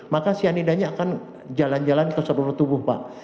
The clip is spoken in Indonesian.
maka cyanidanya akan jalan jalan ke seluruh tubuh pak